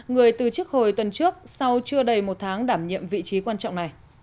người từ chức hồi tuần trước sau chưa đầy một tháng đảm nhiệm vị trí quan trọng này